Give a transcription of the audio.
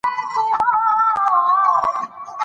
همدا اوس موږ د يوې لوستې ښځې